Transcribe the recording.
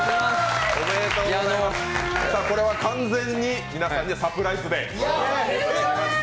これは完全に皆さんにはサプライズで。